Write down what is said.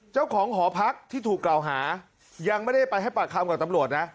เจ้าของหอพักที่ถูกกล่าวหายังไม่ได้ไปให้ปากคำกับตำรวจนะ